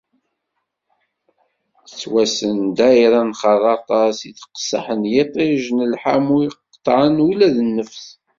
Tettwassen ddayra n Xerraṭa s teqseḥ n yiṭij d lḥamu i iqeṭṭεen ula d nnefs.